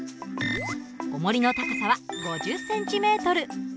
おもりの高さは５０ｃｍ。